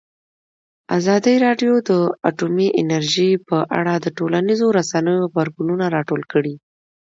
ازادي راډیو د اټومي انرژي په اړه د ټولنیزو رسنیو غبرګونونه راټول کړي.